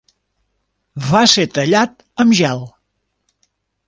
Va ser tallat amb gel.